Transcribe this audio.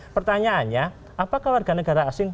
pertanyaannya apakah warga negara asing